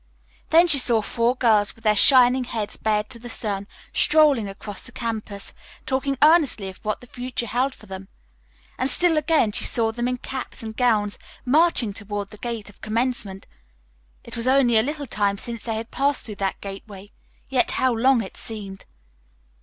Then she saw four girls, with their shining heads bared to the sun, strolling across the campus, talking earnestly of what the future held for them. And still again she saw them in caps and gowns marching toward the Gate of Commencement. It was only a little time since they had passed through that gateway, yet how long it seemed.